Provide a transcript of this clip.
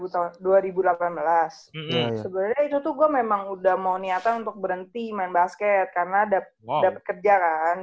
sebenarnya itu tuh gue memang udah mau niatan untuk berhenti main basket karena dapat kerja kan